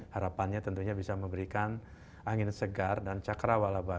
harapannya tentunya bisa memberikan angin segar dan cakra wala bagi kita yang baru ini